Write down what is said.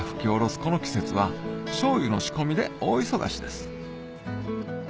この季節は醤油の仕込みで大忙しです